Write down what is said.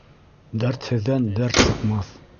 Дәртһеҙҙән дәрт сыҡмаҫ.